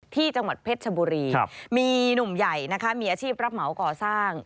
ที่จังหวัดเพชรชบุรีมีหนุ่มใหญ่นะคะมีอาชีพรับเหมาก่อสร้าง